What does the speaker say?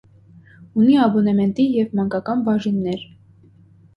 Ունի աբոնեմենտի և մանկական բաժիններ։